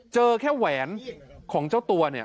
เจอแค่แหวนของเจ้าตัวเนี่ย